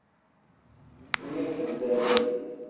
Meyya tmellalin.